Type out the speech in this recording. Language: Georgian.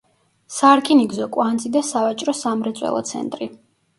სარკინიგზო კვანძი და სავაჭრო-სამრეწველო ცენტრი.